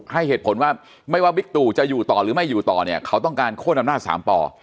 ให้เหตุผลว่าไม่ว่าบิ๊กตู่จะอยู่ต่อหรือไม่อยู่ต่อเนี่ยเขาต้องการโค้นอำนาจสามป่อ